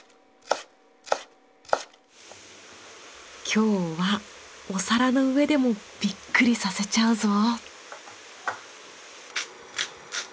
今日はお皿の上でもビックリさせちゃうぞ。